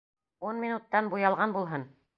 Ун минуттан буялған булһын!